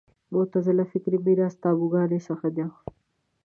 معتزله فکري میراث تابوګانو څخه دی